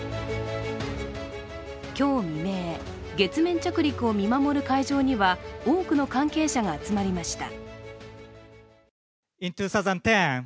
今日未明、月面着陸を見守る会場には多くの関係者が集まりました。